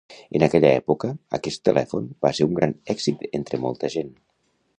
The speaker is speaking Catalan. En aquella època, aquest telèfon va ser un gran èxit entre molta gent.